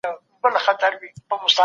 د ځان ساتني دپاره تجربه مهمه ده.